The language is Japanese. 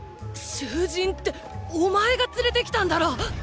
囚人ってお前が連れてきたんだろッ！